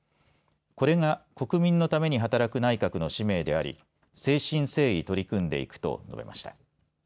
これが国民のために働く内閣の使命であり誠心誠意取り組んでいくと述べました。